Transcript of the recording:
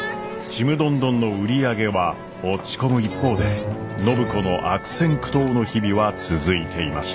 ちむどんどんの売り上げは落ち込む一方で暢子の悪戦苦闘の日々は続いていました。